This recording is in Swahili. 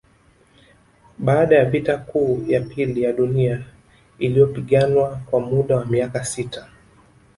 Baada ya vita kuu ya pili ya Dunia iliyopiganwa kwa muda wa miaka sita